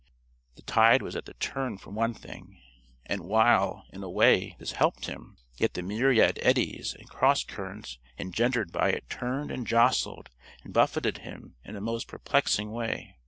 The tide was at the turn for one thing, and while, in a way, this helped him, yet the myriad eddies and cross currents engendered by it turned and jostled and buffeted him in a most perplexing way.